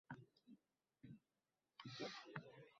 Kitob tayyor.